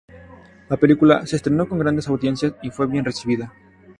La película se estrenó con grandes audiencias, y fue bien recibida.